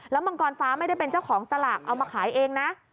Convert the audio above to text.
มังกรฟ้าไม่ได้เป็นเจ้าของสลากเอามาขายเองนะ